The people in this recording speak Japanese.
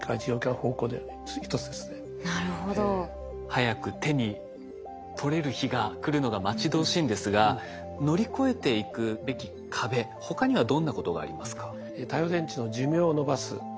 早く手に取れる日が来るのが待ち遠しいんですが乗り越えていくべき壁他にはどんなことがありますか？